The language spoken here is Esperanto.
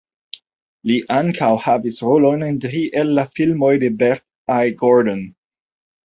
Li ankaŭ havis rolojn en tri el la filmoj de Bert I. Gordon.